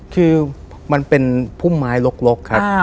คือมันเป็นพุ่มไม้ลกครับ